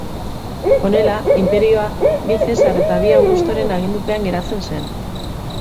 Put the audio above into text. Honela, inperioa bi zesar eta bi augustoren agindupean geratzen zen.